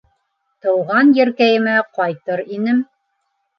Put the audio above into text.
Тыуған еркәйемә ҡайтыр инем